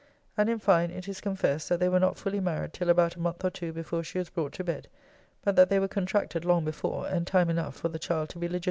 And in fine, it is confessed that they were not fully married till about a month or two before she was brought to bed; but that they were contracted long before, and time enough for the child to be legitimate.